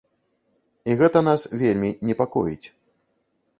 І гэта нас вельмі непакоіць.